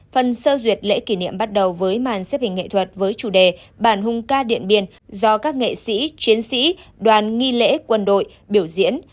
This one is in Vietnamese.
phần sơ duyệt lễ kỷ niệm bắt đầu với màn xếp hình nghệ thuật với chủ đề bản hùng ca điện biên do các nghệ sĩ chiến sĩ đoàn nghi lễ quân đội biểu diễn